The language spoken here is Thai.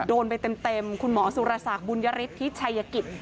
โดนไปเต็มคุณหมอสุรสักบุญยฤทธิชัยกิจ